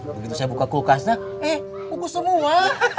begitu saya buka kulkasnya eh kukus semua